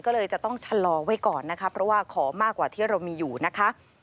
ก็เลยจะต้องชะลอไว้ก่อนนะคะเพราะว่าขอมากกว่าที่เรามีอยู่นะคะ